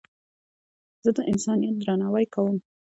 زه د انسانیت درناوی کوم.